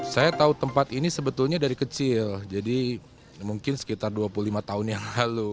saya tahu tempat ini sebetulnya dari kecil jadi mungkin sekitar dua puluh lima tahun yang lalu